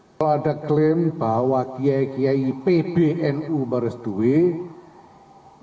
kalau ada klaim bahwa kiai kiai pbnu beres duit